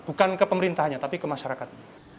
bukan ke pemerintahnya tapi ke masyarakat